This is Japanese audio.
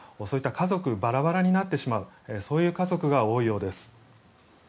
そういった家族バラバラになってしまうそういう家族が多いようです。